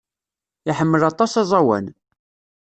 Iḥemmel aṭas aẓawan.